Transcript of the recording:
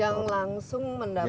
yang langsung mendapatkan